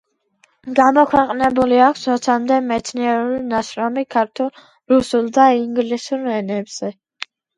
გამოქვეყნებული აქვს ოცამდე მეცნიერული ნაშრომი ქართულ, რუსულ და ინგლისურ ენებზე.